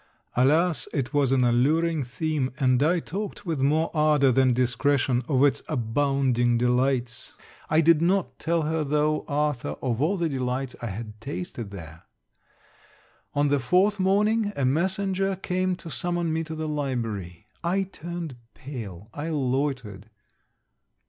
Alas, it was an alluring theme, and I talked with more ardor than discretion of its abounding delights. I did not tell her though, Arthur, of all the delights I had tasted there. On the fourth morning, a messenger came to summon me to the library. I turned pale, I loitered.